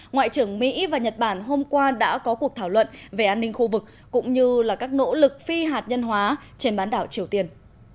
ngoại trưởng mỹ và nhật bản hôm qua đã có cuộc thảo luận về an ninh khu vực cũng như là các nỗ lực phi hạt nhân hóa trên bán đảo triều tiên